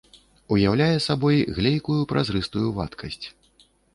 Уяўляе сабой глейкую празрыстую вадкасць.